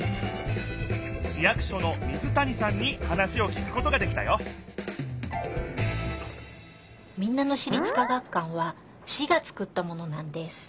市役所の水谷さんに話をきくことができたよ民奈野市立科学館は市がつくったものなんです。